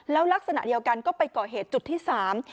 แล้วลักษณะเดียวกันก็ไปก่อเหตุจุดที่สาม